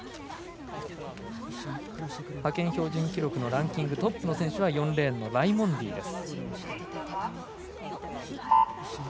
派遣標準記録トップの選手は４レーンのライモンディです。